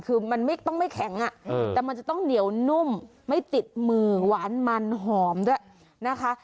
คือมันไม่ต้องไม่แข็งแต่มันจะต้องเหนียวนุ่มไม่ติดมือหวานมันหอมด้วยนะคะ